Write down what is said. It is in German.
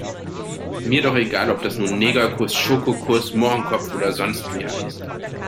Mir doch egal, ob das nun Negerkuss, Schokokuss, Mohrenkopf oder sonstwie heißt.